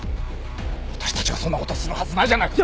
私たちがそんなことするはずないじゃないか。